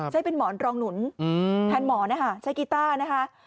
ใช้เป็นหมอนรองหนุนแทนหมอนนะคะใช้กีต้านะคะ